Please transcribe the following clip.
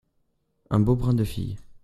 Un beau brin de fille.